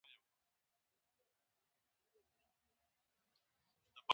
ته ولي مرور یې